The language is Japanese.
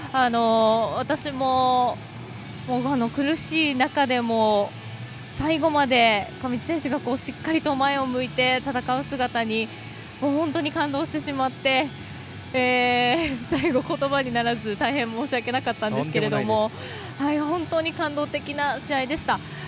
私も、苦しい中でも最後まで上地選手がしっかり前を向いて戦う姿に本当に感動してしまって最後、言葉にならず大変申し訳なかったんですけども本当に感動的な試合でした。